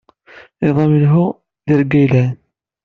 Iḍ amelhu. Tirga yelhan.